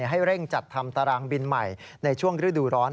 ให้เร่งจัดทำตารางบินใหม่ในช่วงฤดูร้อน